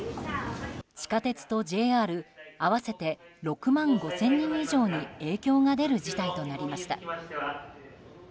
地下鉄とＪＲ、合わせて６万５０００人以上に影響が出る事態となりました。